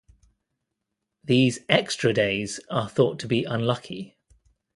These 'extra' days are thought to be unlucky.